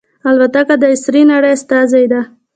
الوتکه د عصري نړۍ استازې ده.